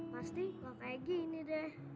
pasti nggak kayak gini deh